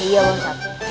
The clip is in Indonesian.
ya udah ustadz